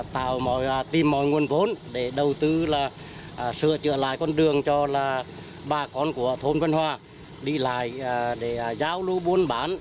được biết đây là con đường cho bà con của thôn vân hòa đi lại để giao lưu buôn bán